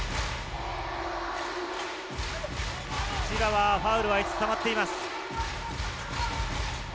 千葉はファウルが５つたまっています。